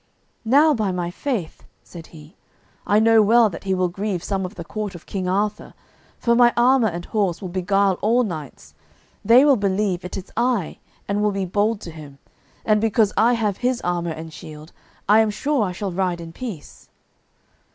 "Now by my faith," said he, "I know well that he will grieve some of the court of King Arthur, for my armour and horse will beguile all knights; they will believe it is I, and will be bold to him. And because I have his armour and shield I am sure I shall ride in peace."